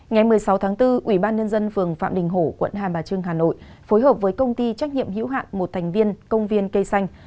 ngày một mươi sáu tháng bốn ủy ban nhân dân phường phạm đình hổ quận hai bà trưng hà nội phối hợp với công ty trách nhiệm hữu hạn một thành viên công viên cây xanh